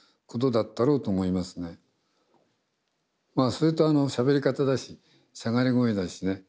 それとあのしゃべり方だししゃがれ声だしね。